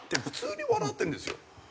普通に笑ってるんですよ。